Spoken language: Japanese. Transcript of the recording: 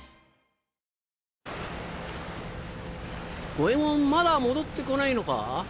五ェ門まだ戻って来ないのか？